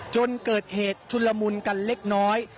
จนเกิดเหตุชุนละมุนกันเล็กน้อย